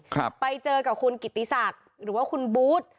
ครับไปเจอกับคุณกิติศักดิ์หรือว่าคุณบูธ